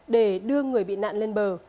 để đưa người bị nạn lên bờ